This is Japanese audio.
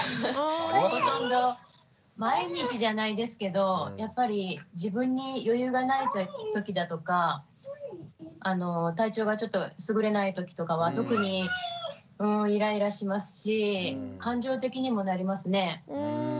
ほとんど毎日じゃないですけどやっぱり自分に余裕がない時だとか体調がちょっとすぐれない時とかは特にイライラしますし感情的にもなりますね。